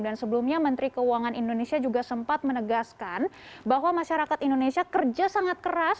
dan sebelumnya menteri keuangan indonesia juga sempat menegaskan bahwa masyarakat indonesia kerja sangat keras